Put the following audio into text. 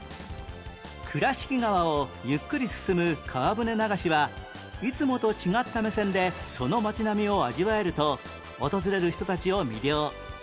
倉敷川をゆっくり進む川舟流しはいつもと違った目線でその街並みを味わえると訪れる人たちを魅了